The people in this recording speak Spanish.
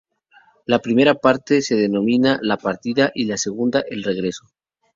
La primera parte se denomina "La partida", y la segunda, "El regreso".